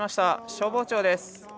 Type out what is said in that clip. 消防庁です。